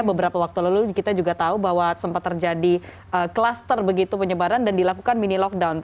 beberapa waktu lalu kita juga tahu bahwa sempat terjadi klaster begitu penyebaran dan dilakukan mini lockdown